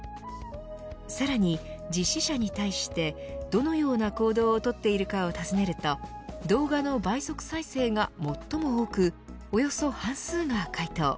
さらに、実施者に対してどのような行動をとっているかを尋ねると動画の倍速再生が最も多くおよそ半数が回答。